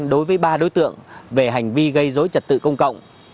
khởi tố vụ án khởi tố bị can đối với ba đối tượng về hành vi gây dối trật tự công cộng